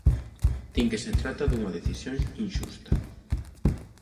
Din que se trata dunha decisión inxusta.